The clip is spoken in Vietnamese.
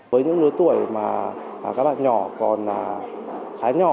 với những lứa tuổi mà các bạn nhỏ còn khá nhỏ